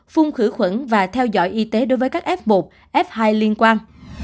phun khử khuẩn và theo dõi y tế đối với các f một f hai liên quan